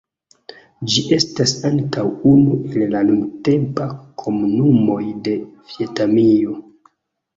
Ĝi estas ankaŭ unu el la nuntempa komunumoj de Vjetnamio.